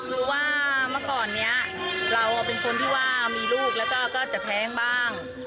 คือว่าเมื่อก่อนนี้เราเป็นคนที่ว่ามีลูกแล้วก็จะแท้งบ้าง